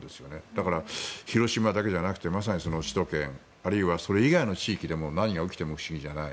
だから、広島だけじゃなくてまさに首都圏あるいはそれ以外の地域でも何が起きても不思議じゃない。